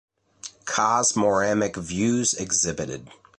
"Cosmoramic Views Exhibited"